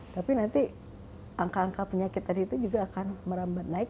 tapi nanti angka angka penyakit tadi itu juga akan merambat naik